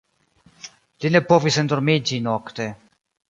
Li ne povis endormiĝi nokte.